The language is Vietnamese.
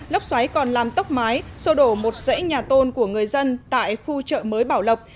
lốc xoáy còn làm tốc mái sô đổ một dãy nhà tôn của người dân tại khu chợ mới bảo lộc